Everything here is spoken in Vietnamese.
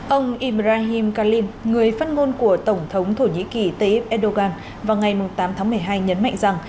ông ibrahim kalin người phát ngôn của tổng thống thổ nhĩ kỳ t f edogan vào ngày tám tháng một mươi hai nhấn mạnh rằng